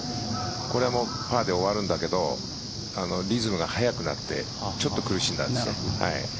これはパーで終わるんだけどリズムが早くなってちょっと苦しんだんです。